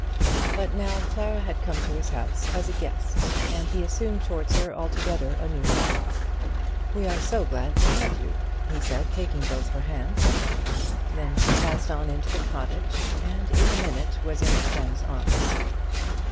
But now Clara had come to his house as a guest, and he assumed towards her altogether a new manner. "We are so glad to have you," he said, taking both her hands. Then she passed on into the cottage, and in a minute was in her friend's arms.